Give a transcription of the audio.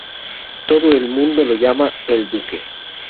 Todo el mundo lo llama "El Duque".